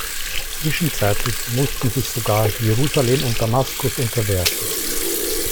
Zwischenzeitlich mussten sich sogar Jerusalem und Damaskus unterwerfen.